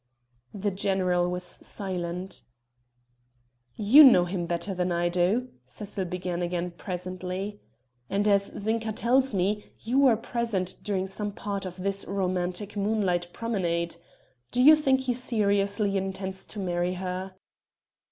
The general was silent. "You know him better than I do," Cecil began again presently, "and, as Zinka tells me, you were present during some part of this romantic moonlight promenade. Do you think he seriously intends to marry her?"